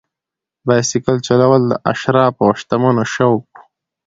بایسکل چلول د اشرافو او شتمنو شوق و.